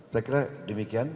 saya kira demikian